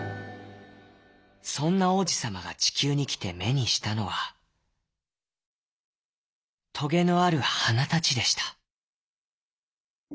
そんな王子さまがちきゅうにきてめにしたのはトゲのあるはなたちでした。